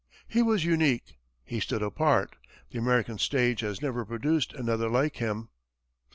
He was unique. He stood apart. The American stage has never produced another like him.